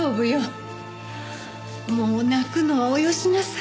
もう泣くのはおよしなさい。